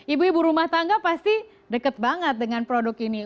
ibu ibu rumah tangga pasti deket banget dengan produk ini